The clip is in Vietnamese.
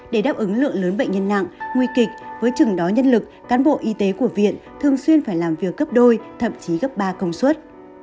để đáp ứng lượng lớn bệnh nhân nặng nguy kịch với chừng đó nhân lực cán bộ y tế của viện thường xuyên phải làm việc gấp đôi thậm chí gấp ba công suất